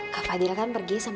kak fadil kan pergi sama